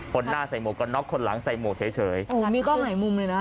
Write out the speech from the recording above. หน้าใส่หมวกกันน็อกคนหลังใส่หมวกเฉยเฉยโอ้โหมีกล้องหลายมุมเลยนะ